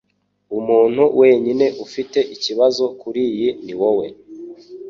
Umuntu wenyine ufite ikibazo kuriyi niwowe.